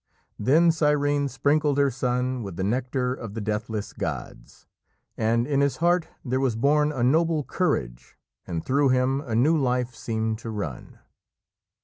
Then Cyrene sprinkled her son with the nectar of the deathless gods, and in his heart there was born a noble courage and through him a new life seemed to run.